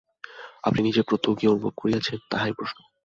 আপনি নিজে প্রত্যক্ষ কি অনুভব করিয়াছেন, তাহাই প্রশ্ন।